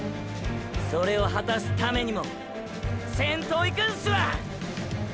それを果たすためにも先頭いくんすわ！！